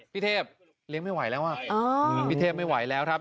พี่เทพเลี้ยงไม่ไหวแล้วอ่ะพี่เทพไม่ไหวแล้วครับ